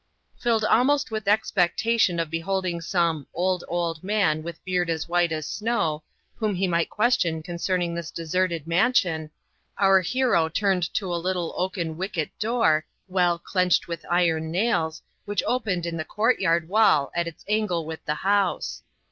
Filled almost with expectation of beholding some 'old, old man, with beard as white as snow,' whom he might question concerning this deserted mansion, our hero turned to a little oaken wicket door, well clenched with iron nails, which opened in the court yard wall at its angle with the house.